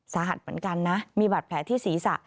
สาหัสเหมือนกันนะมีบาดแผลที่ศีรษะ